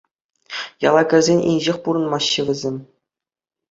Яла кӗрсен инҫех пурӑнмаҫҫӗ вӗсем.